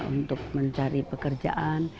untuk mencari pekerjaan